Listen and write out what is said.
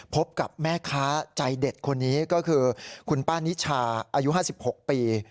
พบกับแม่ค้าใจเด็ดคนนี้ก็คือคุณป้านิชาอายุ๕๖ปี